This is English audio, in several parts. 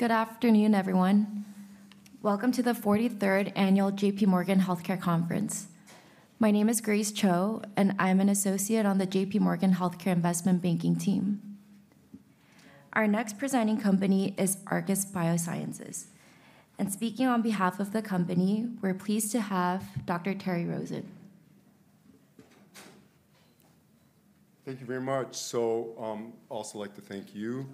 Good afternoon, everyone. Welcome to the 43rd Annual JPMorgan Healthcare Conference. My name is Grace Cho, and I'm an associate on the JPMorgan Healthcare Investment Banking team. Our next presenting company is Arcus Biosciences. And speaking on behalf of the company, we're pleased to have Dr. Terry Rosen. Thank you very much, so I'd also like to thank you.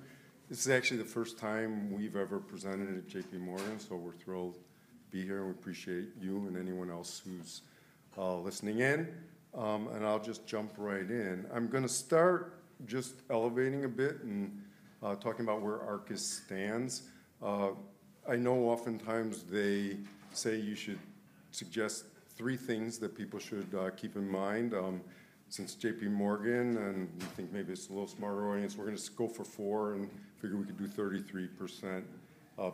This is actually the first time we've ever presented at JPMorgan, so we're thrilled to be here, and we appreciate you and anyone else who's listening in, and I'll just jump right in. I'm going to start just elevating a bit and talking about where Arcus stands. I know oftentimes they say you should suggest three things that people should keep in mind. Since JPMorgan, and we think maybe it's a little smarter audience, we're going to go for four and figure we could do 33%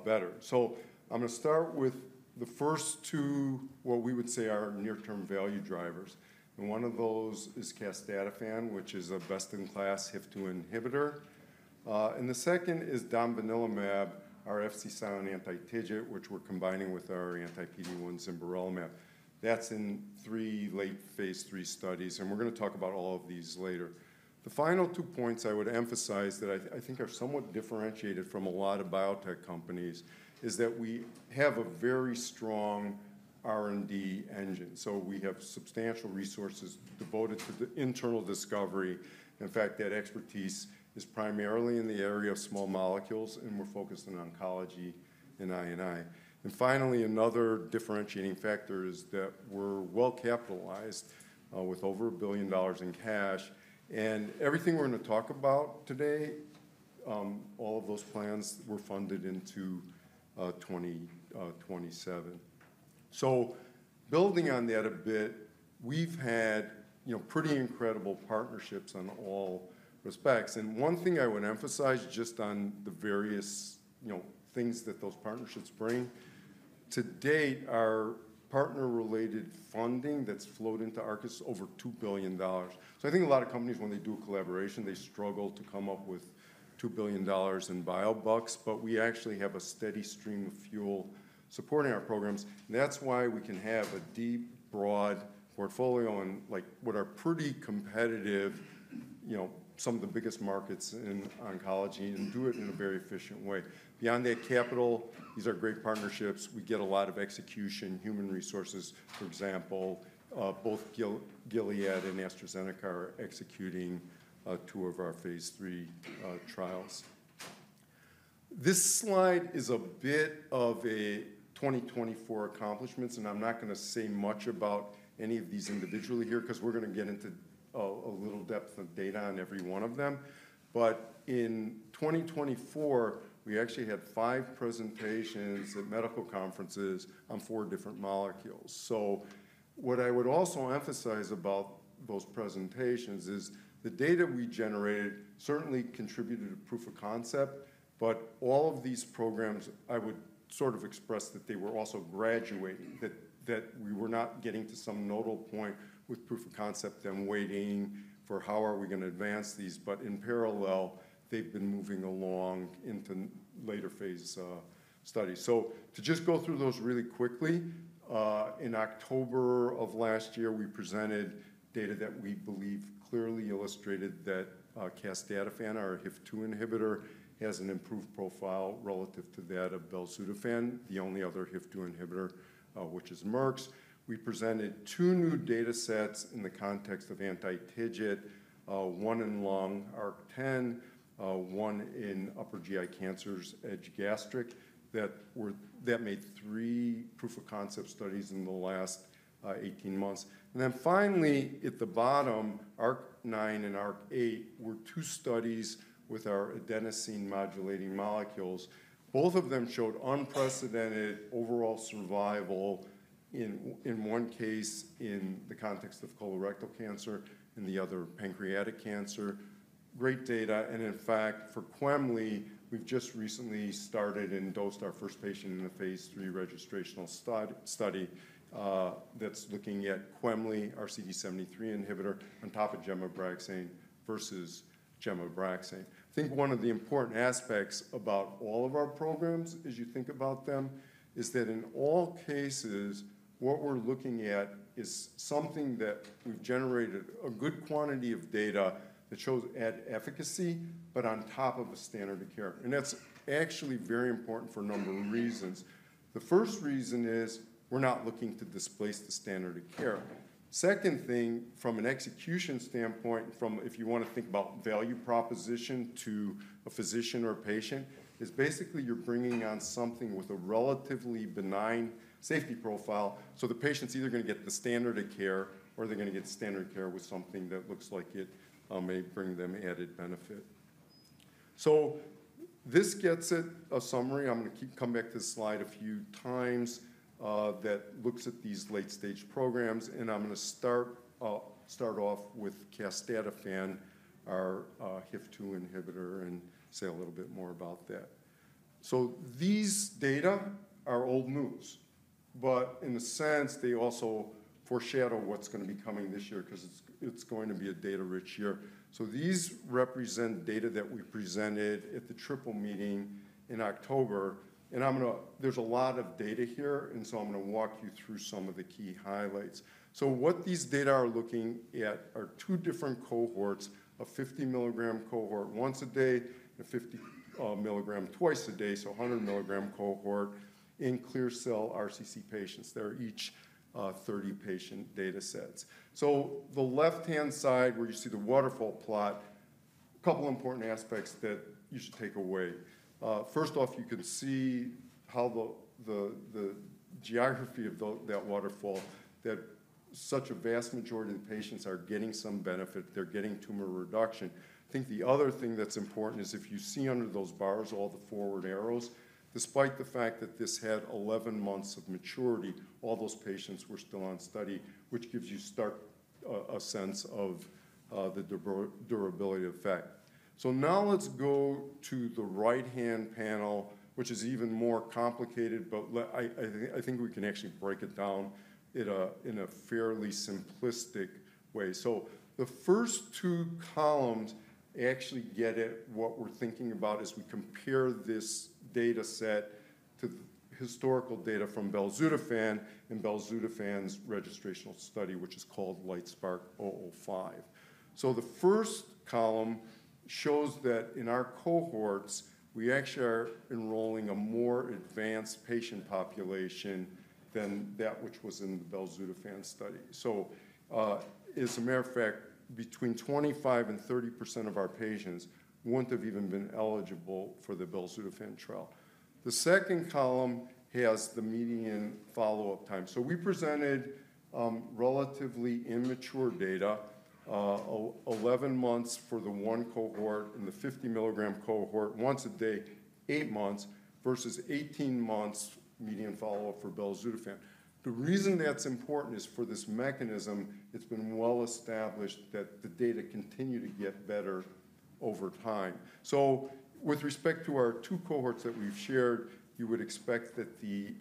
better, so I'm going to start with the first two, what we would say are near-term value drivers. And one of those is casdatifan, which is a best-in-class HIF-2α inhibitor. And the second is domvanalimab, our Fc-silent anti-TIGIT, which we're combining with our anti-PD-1 zimberelimab. That's in three late-phase III studies, and we're going to talk about all of these later. The final two points I would emphasize that I think are somewhat differentiated from a lot of biotech companies is that we have a very strong R&D engine. So, we have substantial resources devoted to the internal discovery. In fact, that expertise is primarily in the area of small molecules, and we're focused on oncology and I&I. And finally, another differentiating factor is that we're well-capitalized with over $1 billion in cash. And everything we're going to talk about today, all of those plans were funded into 2027. So, building on that a bit, we've had pretty incredible partnerships on all respects. And one thing I would emphasize just on the various things that those partnerships bring, to date, our partner-related funding that's flowed into Arcus is over $2 billion. I think a lot of companies, when they do a collaboration, they struggle to come up with $2 billion in bio bucks, but we actually have a steady stream of fuel supporting our programs. That's why we can have a deep, broad portfolio and, like, what are pretty competitive, some of the biggest markets in oncology, and do it in a very efficient way. Beyond that capital, these are great partnerships. We get a lot of execution. Human resources, for example, both Gilead and AstraZeneca are executing two of our phase III trials. This slide is a bit of a 2024 accomplishments, and I'm not going to say much about any of these individually here because we're going to get into a little depth of data on every one of them. In 2024, we actually had five presentations at medical conferences on four different molecules. So, what I would also emphasize about those presentations is the data we generated certainly contributed to proof of concept, but all of these programs, I would sort of express that they were also graduating, that we were not getting to some nodal point with proof of concept and waiting for how are we going to advance these. But in parallel, they've been moving along into later phase studies. So, to just go through those really quickly, in October of last year, we presented data that we believe clearly illustrated that casdatifan, our HIF-2α inhibitor, has an improved profile relative to that of belzutifan, the only other HIF-2α inhibitor, which is Merck's. We presented two new data sets in the context of anti-TIGIT, one in lung ARC-10, one in upper GI cancers, EDGE-Gastric, that made three proof of concept studies in the last 18 months. And then finally, at the bottom, ARC-9 and ARC-8 were two studies with our adenosine modulating molecules. Both of them showed unprecedented overall survival in one case in the context of colorectal cancer and the other pancreatic cancer. Great data. And in fact, for quemliclustat, we've just recently started and dosed our first patient in the phase III registrational study that's looking at quemliclustat CD73 inhibitor on top of gem-Abraxane versus gem-Abraxane. I think one of the important aspects about all of our programs as you think about them is that in all cases, what we're looking at is something that we've generated a good quantity of data that shows efficacy, but on top of a standard of care. And that's actually very important for a number of reasons. The first reason is we're not looking to displace the standard of care. Second thing, from an execution standpoint, from if you want to think about value proposition to a physician or a patient, is basically you're bringing on something with a relatively benign safety profile. The patient's either going to get the standard of care or they're going to get standard of care with something that looks like it may bring them added benefit. This gets at a summary. I'm going to come back to this slide a few times that looks at these late-stage programs. I'm going to start off with casdatifan, our HIF2 inhibitor, and say a little bit more about that. These data are old news, but in a sense, they also foreshadow what's going to be coming this year because it's going to be a data-rich year. These represent data that we presented at the Triple Meeting in October. There's a lot of data here, and so I'm going to walk you through some of the key highlights. What these data are looking at are two different cohorts, a 50-mg cohort once a day and a 50-mg twice a day, so 100-mg cohort in clear cell RCC patients. They're each 30-patient data sets. The left-hand side where you see the waterfall plot, a couple of important aspects that you should take away. First off, you can see how the geography of that waterfall, that such a vast majority of the patients are getting some benefit. They're getting tumor reduction. I think the other thing that's important is if you see under those bars all the forward arrows, despite the fact that this had 11 months of maturity, all those patients were still on study, which gives you a sense of the durability effect. So, now let's go to the right-hand panel, which is even more complicated, but I think we can actually break it down in a fairly simplistic way. So, the first two columns actually get at what we're thinking about as we compare this data set to the historical data from belzutifan and belzutifan's registrational study, which is called LITESPARK-005. So, the first column shows that in our cohorts, we actually are enrolling a more advanced patient population than that which was in the belzutifan study. As a matter of fact, between 25% and 30% of our patients wouldn't have even been eligible for the belzutifan trial. The second column has the median follow-up time. We presented relatively immature data, 11 months for the one cohort and the 50 mg cohort once a day, eight months, versus 18 months median follow-up for belzutifan. The reason that's important is for this mechanism, it's been well established that the data continue to get better over time. With respect to our two cohorts that we've shared, you would expect that the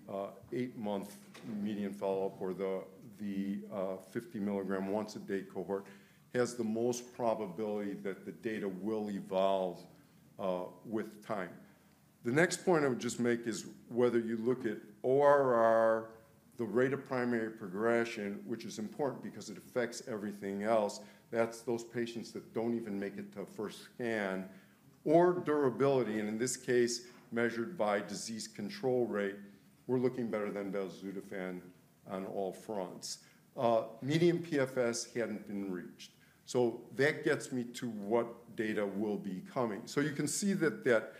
eight-month median follow-up or the 50 mg once-a-day cohort has the most probability that the data will evolve with time. The next point I would just make is whether you look at ORR, the rate of primary progression, which is important because it affects everything else. That's those patients that don't even make it to a first scan or durability, and in this case, measured by disease control rate, we're looking better than belzutifan on all fronts. Median PFS hadn't been reached. So, that gets me to what data will be coming. So, you can see that that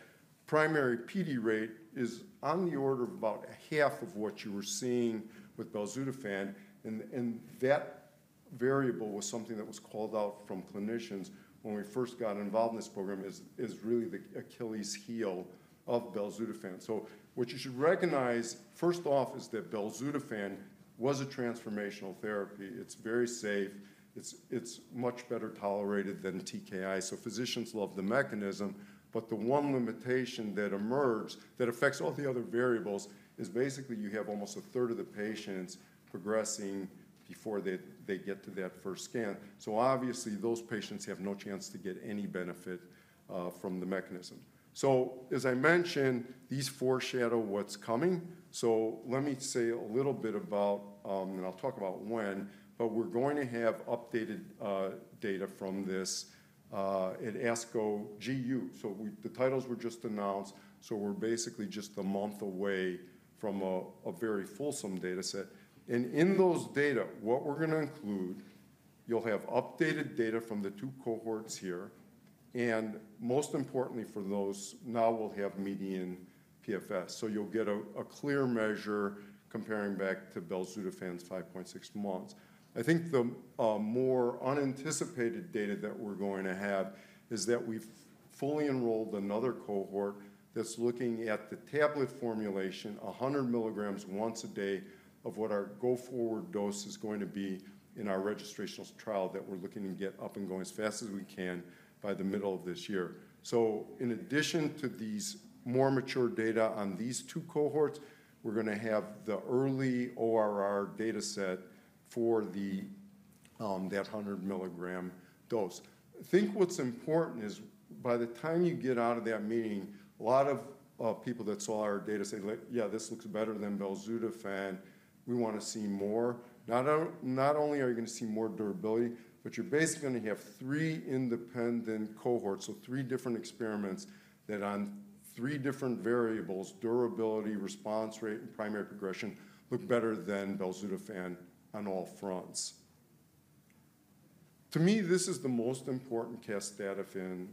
primary PD rate is on the order of about half of what you were seeing with belzutifan. And that variable was something that was called out from clinicians when we first got involved in this program is really the Achilles heel of belzutifan. So, what you should recognize, first off, is that belzutifan was a transformational therapy. It's very safe. It's much better tolerated than TKI. So, physicians love the mechanism, but the one limitation that emerged that affects all the other variables is basically you have almost a third of the patients progressing before they get to that first scan. So, obviously, those patients have no chance to get any benefit from the mechanism. So, as I mentioned, these foreshadow what's coming. So, let me say a little bit about, and I'll talk about when, but we're going to have updated data from this at ASCO GU. So, the titles were just announced. So, we're basically just a month away from a very fulsome data set. And in those data, what we're going to include, you'll have updated data from the two cohorts here. And most importantly for those, now we'll have median PFS. So, you'll get a clear measure comparing back to belzutifan's 5.6 months. I think the more unanticipated data that we're going to have is that we've fully enrolled another cohort that's looking at the tablet formulation, 100 mg once a day of what our go-forward dose is going to be in our registrational trial that we're looking to get up and going as fast as we can by the middle of this year. So, in addition to these more mature data on these two cohorts, we're going to have the early ORR data set for that 100 mg dose. I think what's important is by the time you get out of that meeting, a lot of people that saw our data say, "Yeah, this looks better than belzutifan. We want to see more." Not only are you going to see more durability, but you're basically going to have three independent cohorts, so three different experiments that on three different variables, durability, response rate, and primary progression, look better than belzutifan on all fronts. To me, this is the most important casdatifan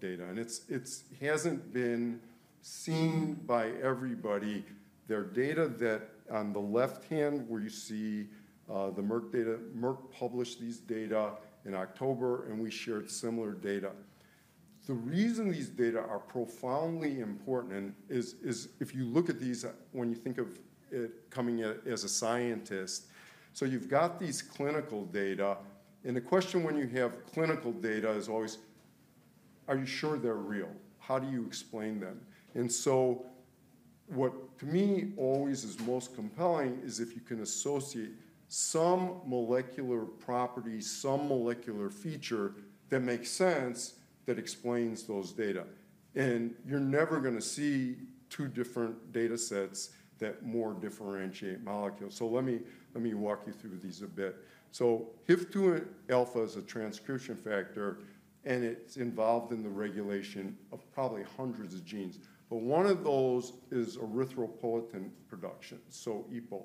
data. And it hasn't been seen by everybody. There are data that on the left hand where you see the Merck data, Merck published these data in October, and we shared similar data. The reason these data are profoundly important is if you look at these when you think of it coming as a scientist. So, you've got these clinical data. And the question when you have clinical data is always, "Are you sure they're real? How do you explain them?" And so, what to me always is most compelling is if you can associate some molecular property, some molecular feature that makes sense that explains those data. And you're never going to see two different data sets that more differentiate molecules. So, let me walk you through these a bit. So, HIF-2α is a transcription factor, and it's involved in the regulation of probably hundreds of genes. But one of those is erythropoietin production, so EPO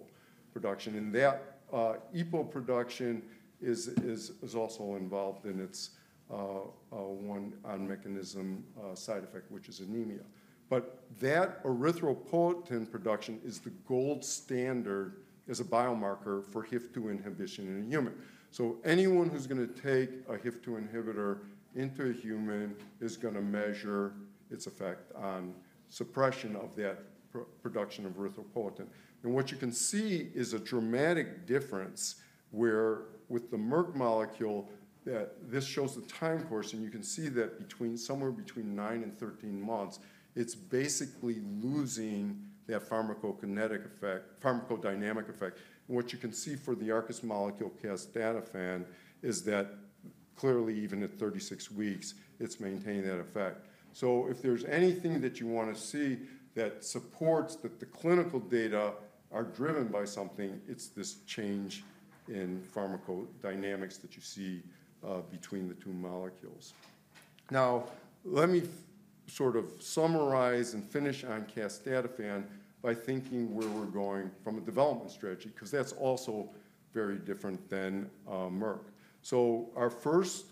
production. And that EPO production is also involved in its on-mechanism side effect, which is anemia. But that erythropoietin production is the gold standard as a biomarker for HIF-2α inhibition in a human. So, anyone who's going to take a HIF-2α inhibitor into a human is going to measure its effect on suppression of that production of erythropoietin. What you can see is a dramatic difference where with the Merck molecule, this shows the time course, and you can see that somewhere between nine and 13 months, it's basically losing that pharmacokinetic effect, pharmacodynamic effect. What you can see for the Arcus molecule casdatifan is that clearly even at 36 weeks, it's maintaining that effect. If there's anything that you want to see that supports that the clinical data are driven by something, it's this change in pharmacodynamics that you see between the two molecules. Now, let me sort of summarize and finish on casdatifan by thinking where we're going from a development strategy because that's also very different than Merck. Our first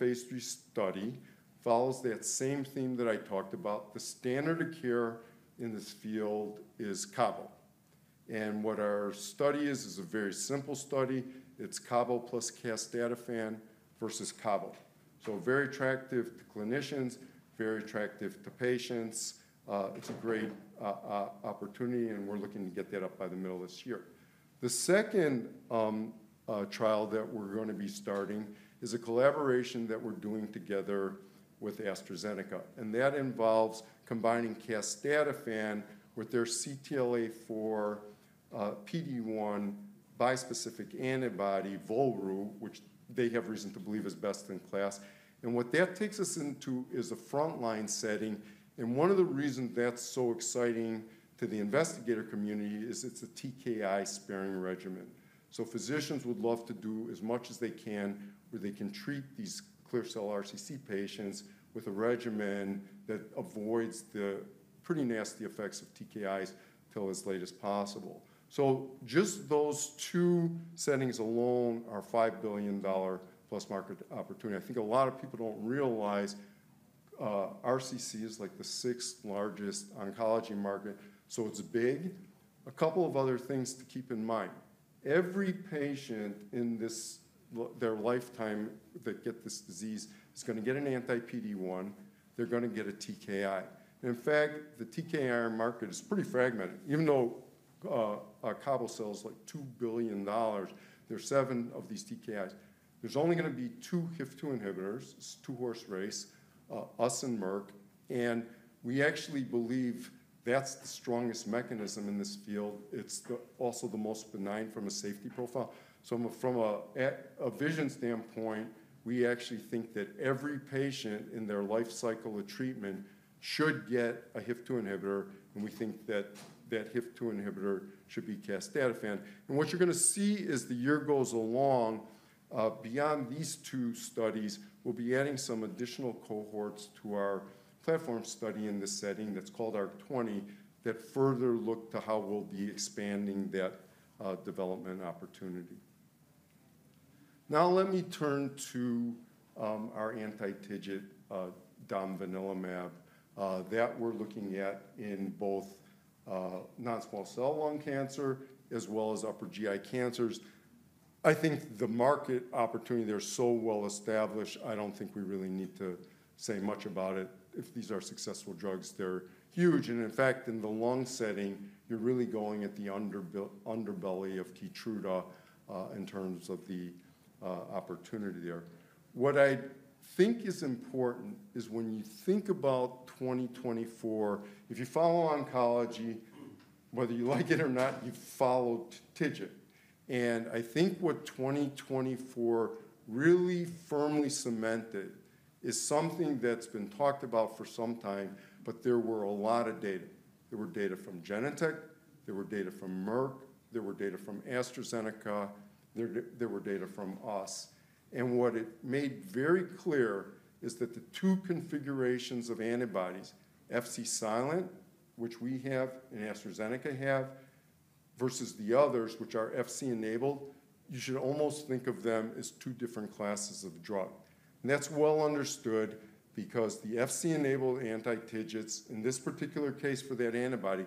phase III study follows that same theme that I talked about. The standard of care in this field is Cabozantinib. What our study is is a very simple study. It's cabozantinib plus casdatifan versus cabozantinib, so very attractive to clinicians, very attractive to patients. It's a great opportunity, and we're looking to get that up by the middle of this year. The second trial that we're going to be starting is a collaboration that we're doing together with AstraZeneca, and that involves combining casdatifan with their CTLA-4 PD-1 bispecific antibody, volrustomig, which they have reason to believe is best in class, and what that takes us into is a frontline setting, and one of the reasons that's so exciting to the investigator community is it's a TKI sparing regimen, so physicians would love to do as much as they can where they can treat these clear cell RCC patients with a regimen that avoids the pretty nasty effects of TKIs till as late as possible, so just those two settings alone are $5 billion+ market opportunity. I think a lot of people don't realize RCC is like the sixth largest oncology market. So, it's big. A couple of other things to keep in mind. Every patient in their lifetime that gets this disease is going to get an anti-PD-1. They're going to get a TKI. In fact, the TKI market is pretty fragmented. Even though Kavo sells like $2 billion, there's seven of these TKIs. There's only going to be two HIF-2α inhibitors. It's a two-horse race, us and Merck. And we actually believe that's the strongest mechanism in this field. It's also the most benign from a safety profile. So, from a vision standpoint, we actually think that every patient in their life cycle of treatment should get a HIF-2α inhibitor, and we think that that HIF-2α inhibitor should be casdatifan. And what you're going to see as the year goes along, beyond these two studies, we'll be adding some additional cohorts to our platform study in this setting that's called ARC-20 that further look to how we'll be expanding that development opportunity. Now, let me turn to our anti-TIGIT domvanalimab that we're looking at in both non-small cell lung cancer as well as upper GI cancers. I think the market opportunity there is so well established. I don't think we really need to say much about it. If these are successful drugs, they're huge. And in fact, in the lung setting, you're really going at the underbelly of Keytruda in terms of the opportunity there. What I think is important is when you think about 2024, if you follow oncology, whether you like it or not, you follow TIGIT. I think what 2024 really firmly cemented is something that's been talked about for some time, but there were a lot of data. There were data from Genentech. There were data from Merck. There were data from AstraZeneca. There were data from us. What it made very clear is that the two configurations of antibodies, Fc-silent, which we have and AstraZeneca have, versus the others, which are Fc-enabled, you should almost think of them as two different classes of drug. That's well understood because the Fc-enabled anti-TIGITs, in this particular case for that antibody,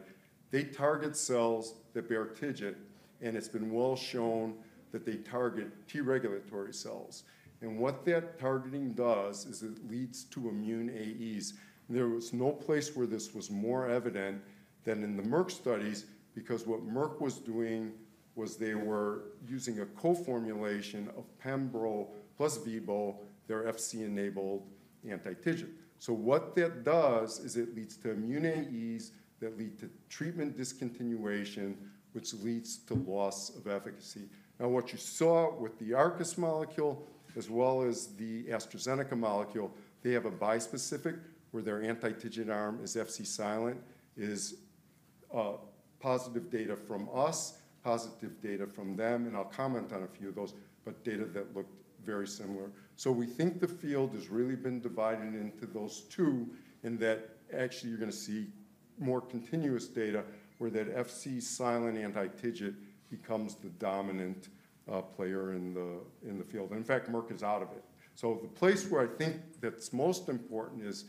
they target cells that bear TIGIT, and it's been well shown that they target T-regulatory cells. What that targeting does is it leads to immune AEs. There was no place where this was more evident than in the Merck studies because what Merck was doing was they were using a co-formulation of pembrolizumab plus Vibo, their Fc-enabled anti-TIGIT. So, what that does is it leads to immune AEs that lead to treatment discontinuation, which leads to loss of efficacy. Now, what you saw with the Arcus molecule as well as the AstraZeneca molecule, they have a bispecific where their anti-TIGIT arm is Fc-silent, is positive data from us, positive data from them. And I'll comment on a few of those, but data that looked very similar. So, we think the field has really been divided into those two in that actually you're going to see more continuous data where that Fc-silent anti-TIGIT becomes the dominant player in the field. In fact, Merck is out of it. The place where I think that's most important is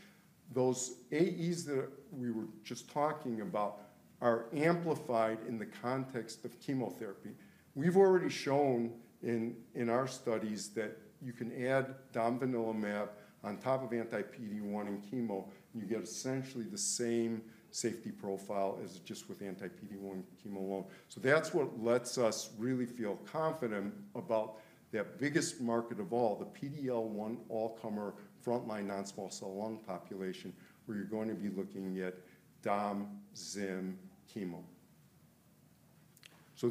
those AEs that we were just talking about are amplified in the context of chemotherapy. We've already shown in our studies that you can add domvanalimab on top of anti-PD-1 and chemo, and you get essentially the same safety profile as just with anti-PD-1 and chemo alone. That's what lets us really feel confident about that biggest market of all, the PD-L1 all-comer frontline non-small cell lung population where you're going to be looking at domvanalimab, Zim, chemo.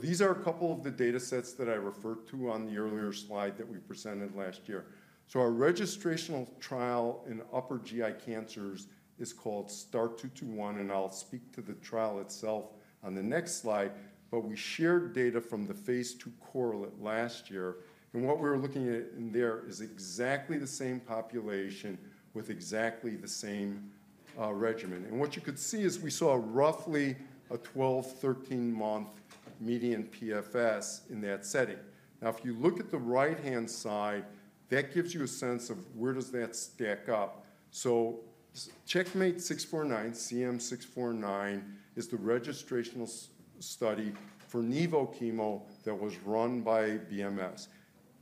These are a couple of the data sets that I referred to on the earlier slide that we presented last year. Our registrational trial in upper GI cancers is called STAR-221, and I'll speak to the trial itself on the next slide, but we shared data from the phase II correlate last year. And what we were looking at in there is exactly the same population with exactly the same regimen. And what you could see is we saw roughly a 12-13 month median PFS in that setting. Now, if you look at the right-hand side, that gives you a sense of where does that stack up. So, CheckMate 649, CM 649, is the registrational study for Nivolumab chemo that was run by BMS.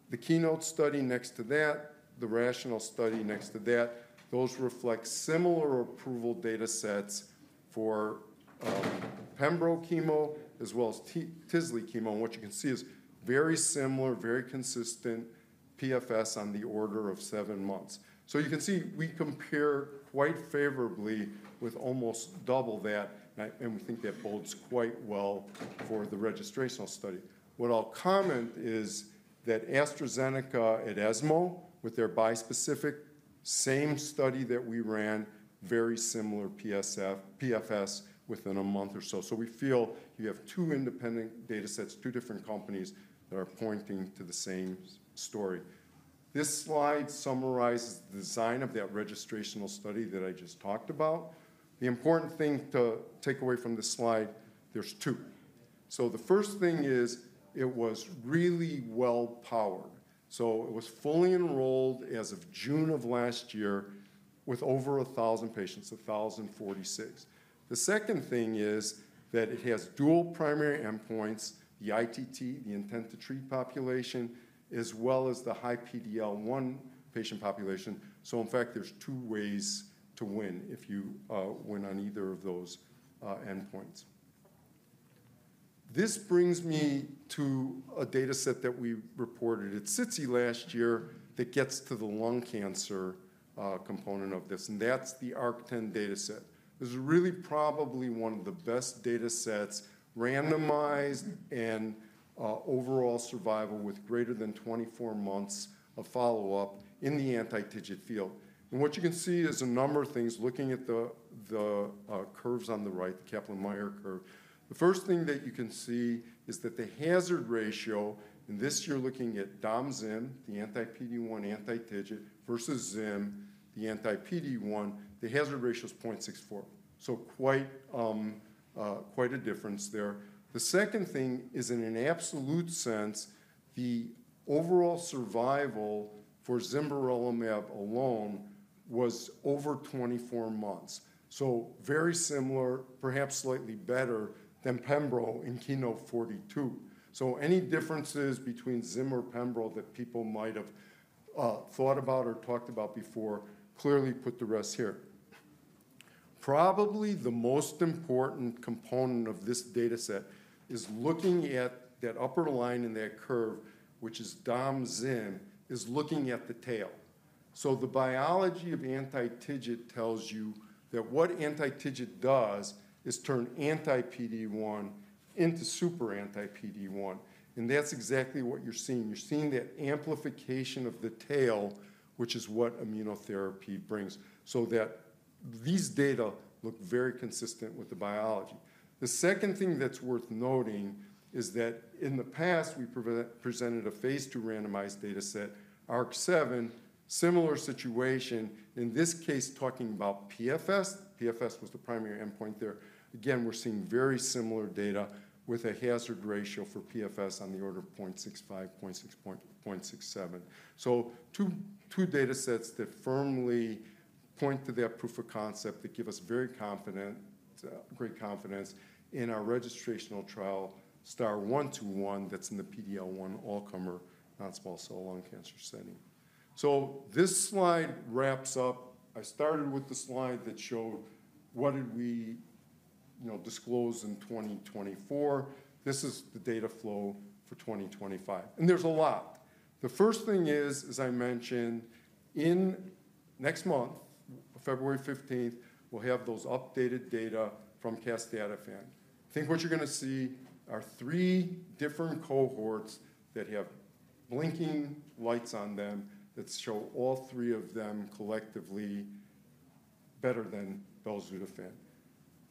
The keynote study next to that, the RATIONALE study next to that, those reflect similar approval data sets for Pembrol chemo as well as tislelizumab chemo. And what you can see is very similar, very consistent PFS on the order of seven months. So, you can see we compare quite favorably with almost double that, and we think that bodes quite well for the registrational study. What I'll comment is that AstraZeneca at ESMO with their bispecific same study that we ran, very similar PFS within a month or so. So, we feel you have two independent data sets, two different companies that are pointing to the same story. This slide summarizes the design of that registrational study that I just talked about. The important thing to take away from this slide, there's two. So, the first thing is it was really well powered. So, it was fully enrolled as of June of last year with over 1,000 patients, 1,046. The second thing is that it has dual primary endpoints, the ITT, the intent to treat population, as well as the high PDL1 patient population. So, in fact, there's two ways to win if you win on either of those endpoints. This brings me to a data set that we reported at SITC last year that gets to the lung cancer component of this, and that's the ARC10 data set. This is really probably one of the best data sets, randomized and overall survival with greater than 24 months of follow-up in the anti-TIGIT field. And what you can see is a number of things looking at the curves on the right, the Kaplan-Meier curve. The first thing that you can see is that the hazard ratio, and this you're looking at dom, zimberelimab, the anti-PD-1, anti-TIGIT versus zimberelimab, the anti-PD-1, the hazard ratio is 0.64. So, quite a difference there. The second thing is in an absolute sense, the overall survival for zimberelimab alone was over 24 months. So, very similar, perhaps slightly better than Pembrol in Keynote-042. Any differences between Zim or Pembrol that people might have thought about or talked about before clearly put the rest here. Probably the most important component of this data set is looking at that upper line in that curve, which is domZim, is looking at the tail. The biology of anti-TIGIT tells you that what anti-TIGIT does is turn anti-PD-1 into super anti-PD-1. And that's exactly what you're seeing. You're seeing that amplification of the tail, which is what immunotherapy brings. These data look very consistent with the biology. The second thing that's worth noting is that in the past, we presented a phase II randomized data set, ARC-7, similar situation. In this case, talking about PFS, PFS was the primary endpoint there. Again, we're seeing very similar data with a hazard ratio for PFS on the order of 0.65, 0.67. Two data sets that firmly point to that proof of concept that give us very confidence in our registrational trial, STAR-121, that's in the PD-L1 all-comer non-small cell lung cancer setting. This slide wraps up. I started with the slide that showed what did we disclose in 2024. This is the data flow for 2025. And there's a lot. The first thing is, as I mentioned, next month, February 15th, we'll have those updated data from casdatifan. I think what you're going to see are three different cohorts that have blinking lights on them that show all three of them collectively better than belzutifan.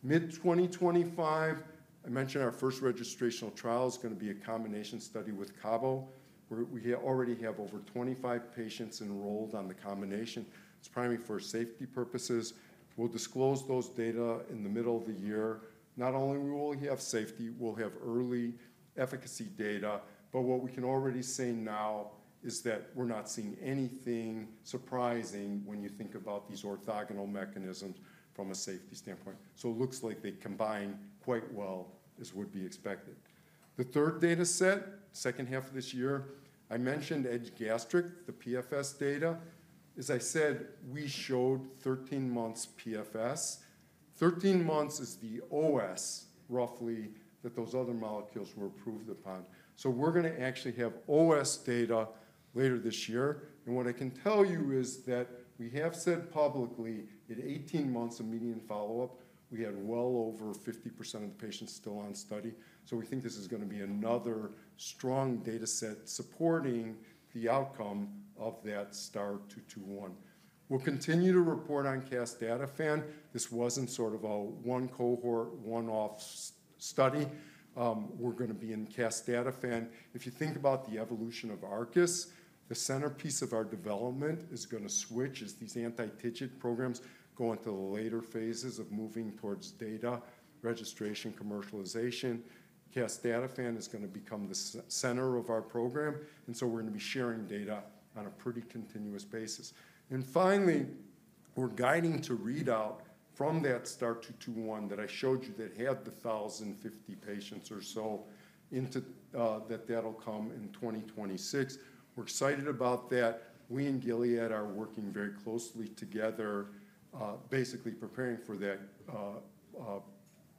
Mid 2025, I mentioned our first registrational trial is going to be a combination study with Kavo, where we already have over 25 patients enrolled on the combination. It's primarily for safety purposes. We'll disclose those data in the middle of the year. Not only will we have safety, we'll have early efficacy data, but what we can already say now is that we're not seeing anything surprising when you think about these orthogonal mechanisms from a safety standpoint. So, it looks like they combine quite well as would be expected. The third data set, second half of this year, I mentioned EDGE-Gastric, the PFS data. As I said, we showed 13 months PFS. 13 months is the OS, roughly, that those other molecules were approved upon. So, we're going to actually have OS data later this year. And what I can tell you is that we have said publicly at 18 months of median follow-up, we had well over 50% of the patients still on study. So, we think this is going to be another strong data set supporting the outcome of that STAR-221. We'll continue to report on casdatifan. This wasn't sort of a one cohort, one-off study. We're going to be in casdatifan. If you think about the evolution of ARCUS, the centerpiece of our development is going to switch as these anti-TIGIT programs go into the later phases of moving towards data registration, commercialization. Casdatifan is going to become the center of our program. And so, we're going to be sharing data on a pretty continuous basis. And finally, we're guiding to readout from that STAR-221 that I showed you that had the 1,050 patients or so that that'll come in 2026. We're excited about that. We and Gilead are working very closely together, basically preparing for that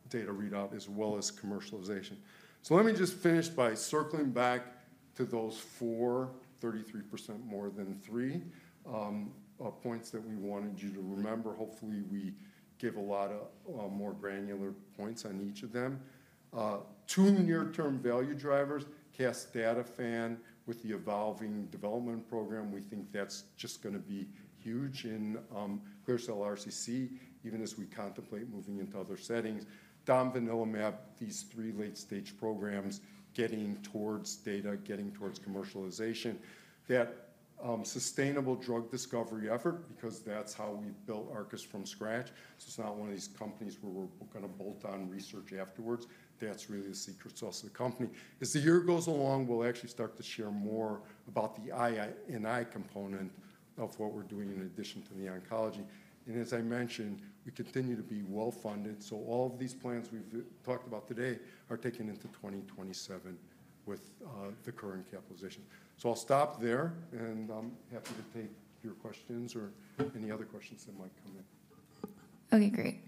data readout as well as commercialization. So, let me just finish by circling back to those four, 33% more than three points that we wanted you to remember. Hopefully, we give a lot more granular points on each of them. Two near-term value drivers, casdatifan with the evolving development program. We think that's just going to be huge in clear cell RCC, even as we contemplate moving into other settings. Domvanalimab, these three late-stage programs getting towards data, getting towards commercialization. That sustainable drug discovery effort, because that's how we built Arcus from scratch. So, it's not one of these companies where we're going to bolt on research afterwards. That's really the secret sauce of the company. As the year goes along, we'll actually start to share more about the I and I component of what we're doing in addition to the oncology. And as I mentioned, we continue to be well funded. So, all of these plans we've talked about today are taken into 2027 with the current capitalization. So, I'll stop there, and I'm happy to take your questions or any other questions that might come in. Okay, great.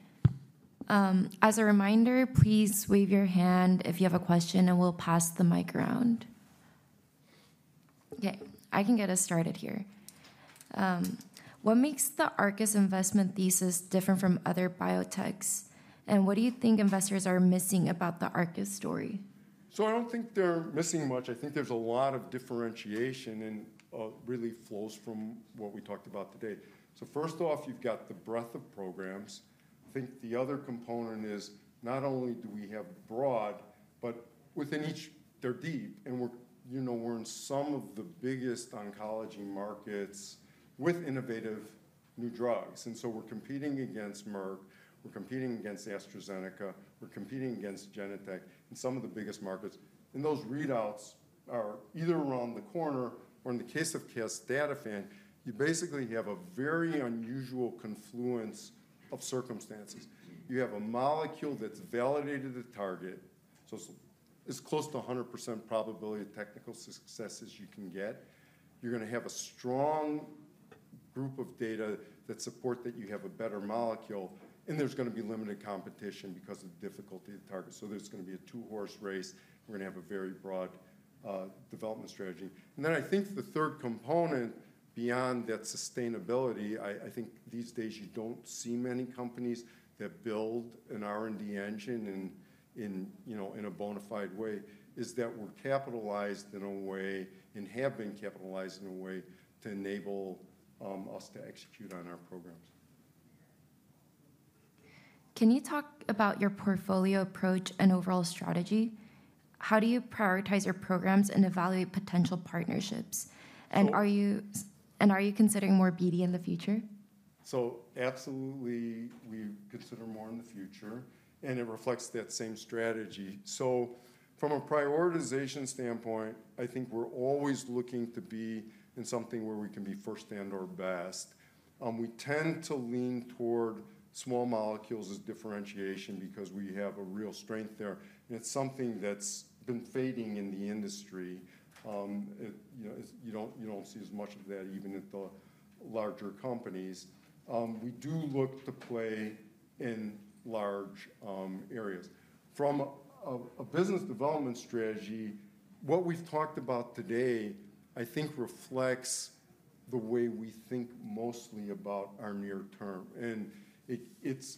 As a reminder, please wave your hand if you have a question, and we'll pass the mic around. Okay, I can get us started here. What makes the Arcus investment thesis different from other biotechs, and what do you think investors are missing about the Arcus story? So, I don't think they're missing much. I think there's a lot of differentiation and really flows from what we talked about today. So, first off, you've got the breadth of programs. I think the other component is not only do we have broad, but within each, they're deep. And we're in some of the biggest oncology markets with innovative new drugs. And so, we're competing against Merck, we're competing against AstraZeneca, we're competing against Genentech in some of the biggest markets. And those readouts are either around the corner or in the case of casdatifan, you basically have a very unusual confluence of circumstances. You have a molecule that's validated the target, so it's close to 100% probability of technical successes you can get. You're going to have a strong group of data that support that you have a better molecule, and there's going to be limited competition because of the difficulty of the target. So, there's going to be a two-horse race. We're going to have a very broad development strategy. And then I think the third component beyond that sustainability, I think these days you don't see many companies that build an R&D engine in a bona fide way, is that we're capitalized in a way and have been capitalized in a way to enable us to execute on our programs. Can you talk about your portfolio approach and overall strategy? How do you prioritize your programs and evaluate potential partnerships? And are you considering more BD in the future? So, absolutely, we consider more in the future, and it reflects that same strategy. So, from a prioritization standpoint, I think we're always looking to be in something where we can be first and/or best. We tend to lean toward small molecules as differentiation because we have a real strength there. And it's something that's been fading in the industry. You don't see as much of that even at the larger companies. We do look to play in large areas. From a business development strategy, what we've talked about today, I think reflects the way we think mostly about our near term. It's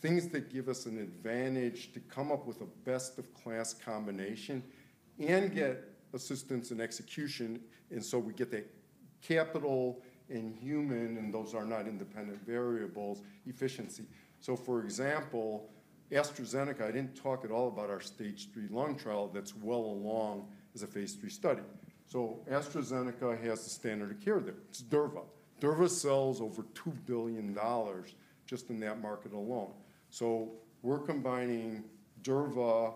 things that give us an advantage to come up with a best-of-class combination and get assistance and execution. We get the capital and human, and those are not independent variables, efficiency. For example, AstraZeneca. I didn't talk at all about our Stage III lung trial that's well along as a phase III study. AstraZeneca has the standard of care there. It's Durva. Durva sells over $2 billion just in that market alone. We're combining Durva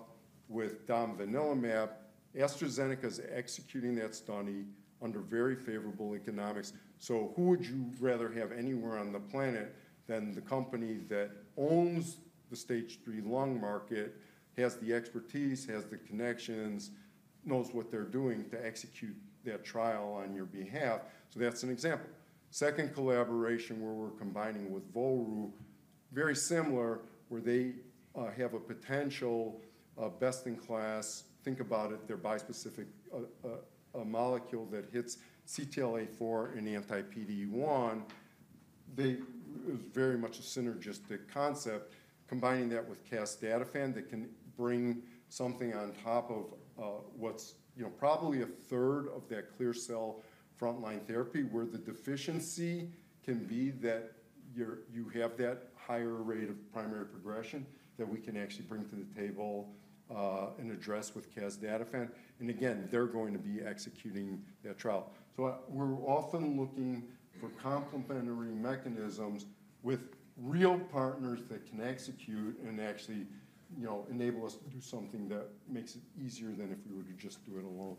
with domvanalimab. AstraZeneca is executing that study under very favorable economics. Who would you rather have anywhere on the planet than the company that owns the Stage III lung market, has the expertise, has the connections, knows what they're doing to execute that trial on your behalf? That's an example. Second collaboration where we're combining with Volru, very similar, where they have a potential best-in-class, think about it, they're bispecific molecule that hits CTLA-4 and anti-PD-1. It's very much a synergistic concept. Combining that with casdatifan, they can bring something on top of what's probably a third of that clear cell frontline therapy where the deficiency can be that you have that higher rate of primary progression that we can actually bring to the table and address with casdatifan. And again, they're going to be executing that trial. So, we're often looking for complementary mechanisms with real partners that can execute and actually enable us to do something that makes it easier than if we were to just do it alone.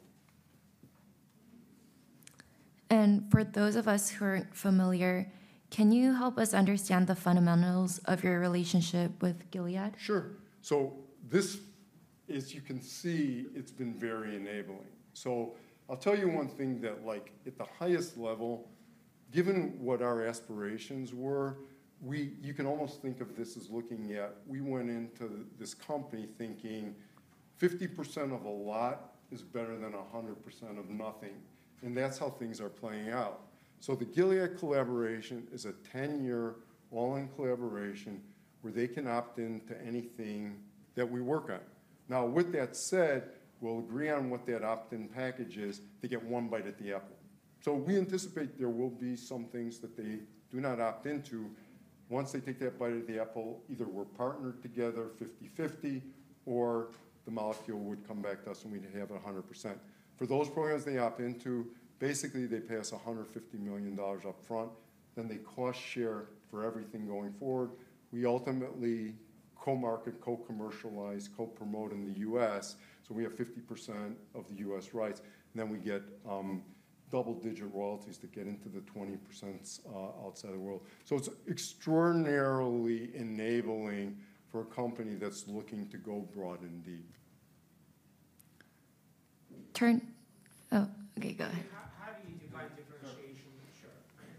And for those of us who aren't familiar, can you help us understand the fundamentals of your relationship with Gilead? Sure. So, this is, you can see it's been very enabling. So, I'll tell you one thing that, like at the highest level, given what our aspirations were, you can almost think of this as looking at, we went into this company thinking 50% of a lot is better than 100% of nothing. And that's how things are playing out. So, the Gilead collaboration is a 10-year all-in collaboration where they can opt into anything that we work on. Now, with that said, we'll agree on what that opt-in package is to get one bite at the apple. So, we anticipate there will be some things that they do not opt into. Once they take that bite of the apple, either we're partnered together 50/50 or the molecule would come back to us and we'd have 100%. For those programs they opt into, basically they pay us $150 million upfront, then they cost share for everything going forward. We ultimately co-market, co-commercialize, co-promote in the U.S. So, we have 50% of the U.S. rights. Then we get double-digit royalties to get into the 20% outside the world. So, it's extraordinarily enabling for a company that's looking to go broad and deep. Turn. Oh, okay, go ahead. How do you define differentiation? Sure.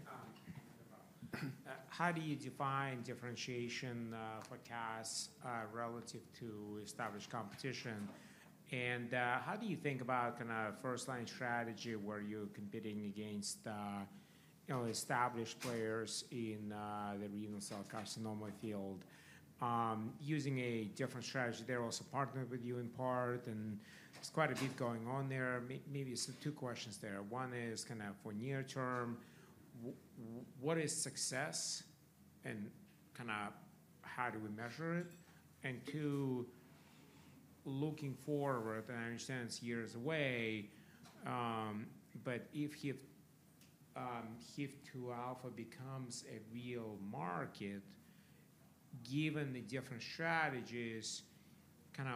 No problem. How do you define differentiation for casdatifan relative to established competition? And how do you think about kind of first-line strategy where you're competing against established players in the renal cell carcinoma field using a different strategy? They're also partnered with you in part, and there's quite a bit going on there. Maybe there's two questions there. One is kind of for near term, what is success and kind of how do we measure it? And two, looking forward, and I understand it's years away, but if HIF-2α becomes a real market, given the different strategies, kind of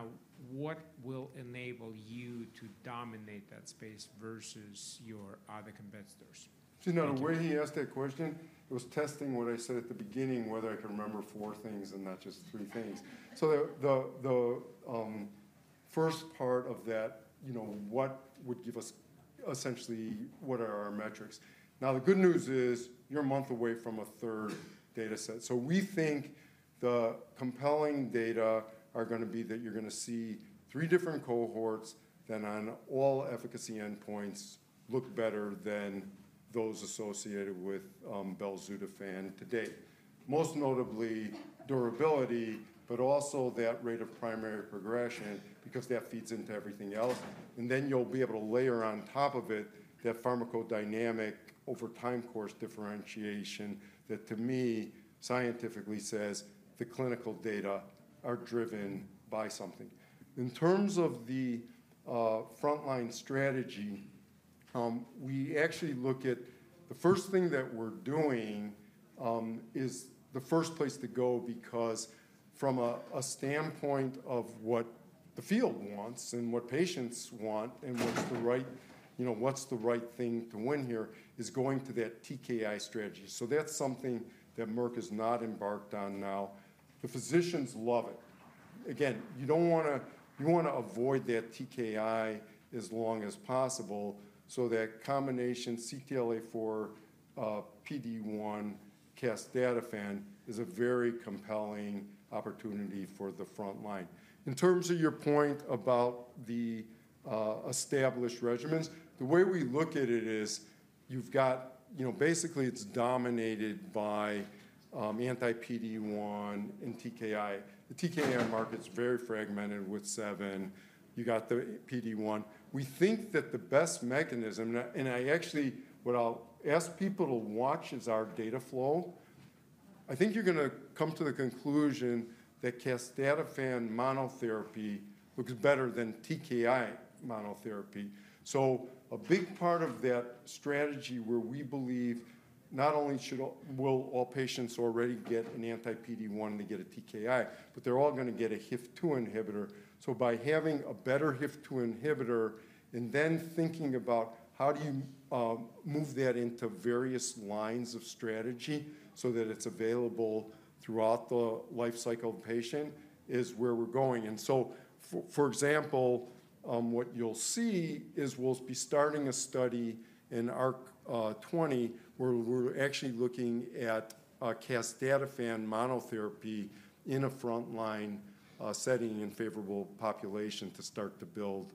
what will enable you to dominate that space versus your other competitors? See, now the way he asked that question, it was testing what I said at the beginning, whether I can remember four things and not just three things. So, the first part of that, what would give us essentially what are our metrics? Now, the good news is you're a month away from a third data set. So, we think the compelling data are going to be that you're going to see three different cohorts that on all efficacy endpoints look better than those associated with belzutifan today. Most notably, durability, but also that rate of primary progression because that feeds into everything else. And then you'll be able to layer on top of it that pharmacodynamic over time course differentiation that to me scientifically says the clinical data are driven by something. In terms of the frontline strategy, we actually look at the first thing that we're doing is the first place to go because from a standpoint of what the field wants and what patients want and what's the right thing to win here is going to that TKI strategy. So, that's something that Merck has not embarked on now. The physicians love it. Again, you want to avoid that TKI as long as possible. So, that combination CTLA4, PD1, casdatifan is a very compelling opportunity for the frontline. In terms of your point about the established regimens, the way we look at it is you've got basically it's dominated by anti-PD-1 and TKI. The TKI market's very fragmented with seven. You got the PD-1. We think that the best mechanism, and I actually what I'll ask people to watch is our data flow. I think you're going to come to the conclusion that casdatifan monotherapy looks better than TKI monotherapy. So, a big part of that strategy where we believe not only will all patients already get an anti-PD-1 and they get a TKI, but they're all going to get a HIF-2 inhibitor. So, by having a better HIF-2 inhibitor and then thinking about how do you move that into various lines of strategy so that it's available throughout the lifecycle of the patient is where we're going. And so, for example, what you'll see is we'll be starting a study in ARC-20 where we're actually looking at casdatifan monotherapy in a frontline setting in favorable population to start to build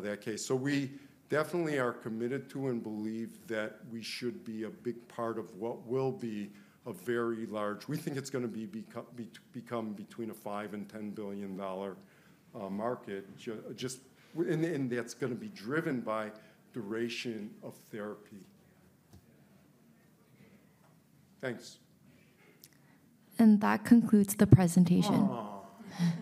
that case. So, we definitely are committed to and believe that we should be a big part of what will be a very large, we think it's going to become between a $5 billion and $10 billion market. And that's going to be driven by duration of therapy. Thanks. And that concludes the presentation.